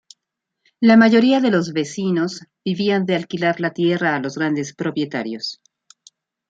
La mayoría de los vecinos vivían de alquilar la tierra a los grandes propietarios.